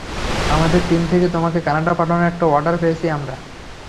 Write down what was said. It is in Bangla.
আমাদের টিম থেকে তোমাকে কানাডা পাঠানোর একটা অর্ডার পেয়েছি আমরা।